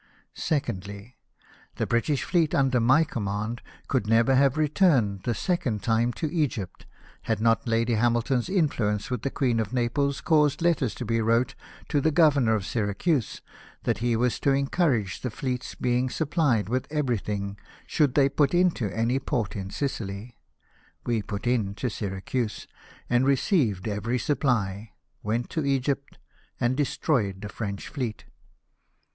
" Secondly : The British fleet under my command could never have returned the second time to Egypt, had not Lady Hamilton's influence with the Queen of Naples caused letters to be wrote to the Governor of Syracuse, that he was to encourage the fleet's being supplied with everything, should they put into any port in Sicily. We put into Syracuse, and received every supply; went to Egypt, and destroyed the French fleet.